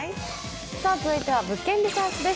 続いては「物件リサーチ」です。